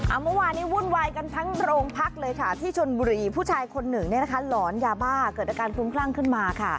เมื่อวานนี้วุ่นวายกันทั้งโรงพักเลยค่ะที่ชนบุรีผู้ชายคนหนึ่งเนี่ยนะคะหลอนยาบ้าเกิดอาการคลุ้มคลั่งขึ้นมาค่ะ